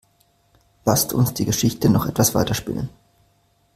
Lasst uns die Geschichte noch etwas weiter spinnen.